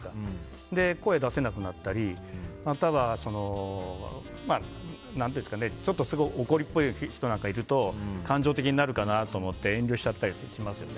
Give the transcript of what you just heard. それで、声を出せなくなったりまたは怒りっぽい人なんかがいると感情的になるかなと思って遠慮しちゃったりしますよね。